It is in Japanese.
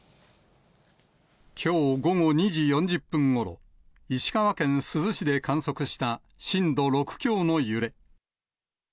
きょう午後２時４０分ごろ、石川県珠洲市で観測した震度６強の揺れ。